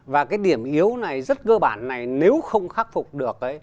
và cái điểm yếu này rất cơ bản này nếu không khắc phục được